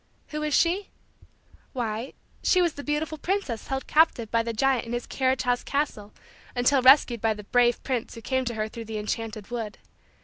Who was she? Why, she was the beautiful princess held captive by the giant in his carriage house castle until rescued by the brave prince who came to her through the enchanted wood.